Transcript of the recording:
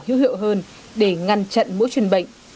hữu hiệu hơn để ngăn chặn mũi truyền bệnh